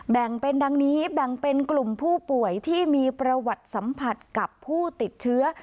แบ่งเป็นดังนี้แบ่งเป็นกลุ่มผู้ป่วยที่มีประวัติสัมผัสกับผู้ติดเชื้อ